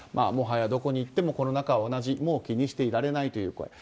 もはやどこに行ってもコロナ禍は同じもう気にしていられないという声。